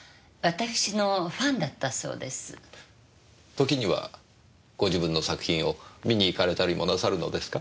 時にはご自分の作品を観に行かれたりもなさるのですか？